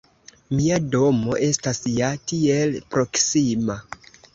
Mia domo estas ja tiel proksima!